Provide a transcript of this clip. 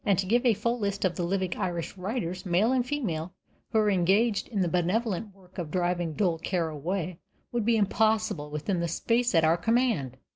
To give a full list of the living Irish writers, male and female, who are engaged in the benevolent work of driving dull care away would be impossible within the space at our command.